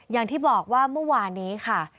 อย่างที่บอกว่าเมื่อวานนี้ค่ะ